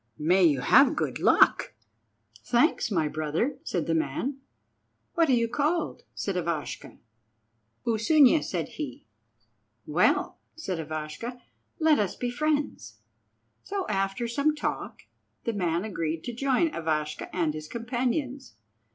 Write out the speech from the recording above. "May you have good luck." "Thanks, my brothers," said the man. "What are you called?" asked Ivashka. "Usunia," said he. "Well," said Ivashka, "let us be friends." So, after some talk, the man agreed to join Ivashka and his companions.